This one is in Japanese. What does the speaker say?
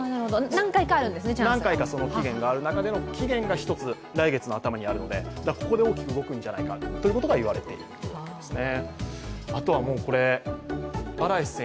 何回かチャンスがある中で、ひとつ期限が来月の頭にあるので、ここで大きく動くんじゃないかと言われているんですね。